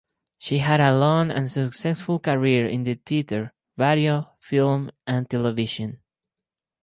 She had a long and successful career in the theatre, radio, film and television.